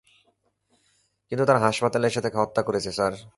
কিন্তু তারা হাসপাতালে এসে তাকে হত্যা করেছে, স্যার!